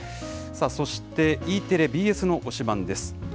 そして、Ｅテレ、ＢＳの推しバンです。